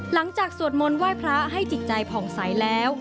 สวดมนต์ไหว้พระให้จิตใจผ่องใสแล้ว